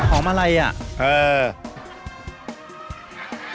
อะไรอ่ะเออ